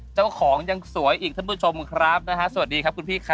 เจ้าของยังสวยอีกท่านผู้ชมครับนะฮะสวัสดีครับคุณพี่ครับ